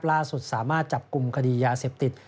ล่าสุดสามารถจับกลุ่มคดียาเสพติด